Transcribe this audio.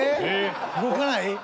動かない？